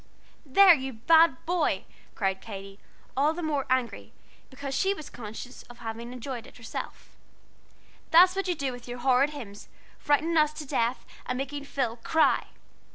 "There, you bad boy!" cried Katy, all the more angry because she was conscious of having enjoyed it herself, "that's what you do with your horrid hymns, frightening us to death and making Phil cry!"